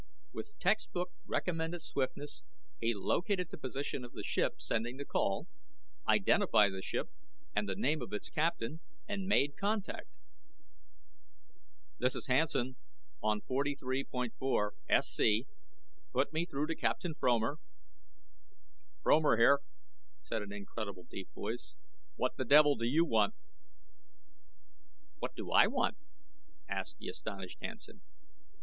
With textbook recommended swiftness, he located the position of the ship sending the call, identified the ship and the name of its captain, and made contact. "This is Hansen on 43.4SC. Put me through to Captain Fromer." "Fromer here," said an incredible deep voice, "what the devil do you want?" "What do I want?" asked the astonished Hansen.